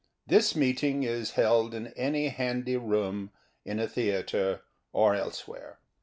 This meeting is held in any handy room, in a theatre or elsewhere.